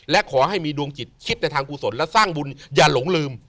และขอให้มีดวงจิตคิดในทางกุศลและสร้างบุญอย่าหลงลืม